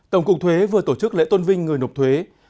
tổng cục thuế vừa tổ chức lễ tôn vinh người nộp thuế